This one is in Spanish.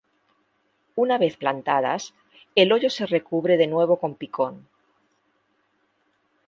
Una vez plantadas, el hoyo se recubre de nuevo con picón.